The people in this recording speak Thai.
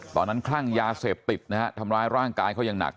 ตอนนั้นคลั่งยาเสพติดนะฮะทำร้ายร่างกายเขายังหนัก